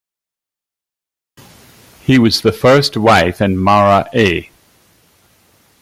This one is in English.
He was the first wife and Mara A.